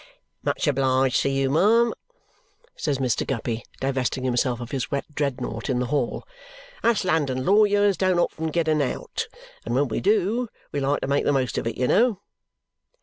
"Much obliged to you, ma'am!" says Mr. Guppy, divesting himself of his wet dreadnought in the hall. "Us London lawyers don't often get an out, and when we do, we like to make the most of it, you know."